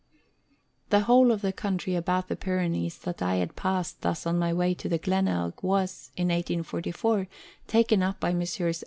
The whole of the country about the Pyrenees that I had passed thus on my way to the Glenelg was, in 1844, taken up by Messrs.